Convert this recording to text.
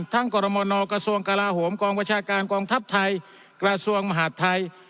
ทั้งกรมนกระทรวงกราหวมกองวัชการกองทัพไทยกระทรวงมหาดไทย